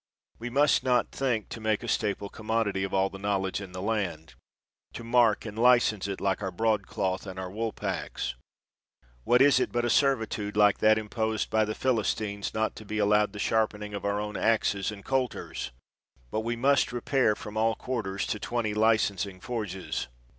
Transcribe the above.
We must not think to make a staple commodity of all the knowledge in the land, to mark and li cense it like our broadcloth and our woolpacks. What is it but a servitude like that imposed by 100 MILTON the Philistines, not to be allowed the sharpening of our own axes and colters, but we must re pair from all quarters to twenty licensing forges